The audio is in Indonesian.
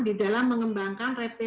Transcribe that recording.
di dalam mengembangkan repetes